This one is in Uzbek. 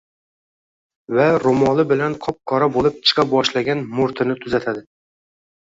va “ro’moli bilan qop-qora bo’lib chiqa boshlagan murtini tuzatadi.